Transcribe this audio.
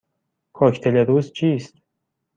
کوکتل روز چیست؟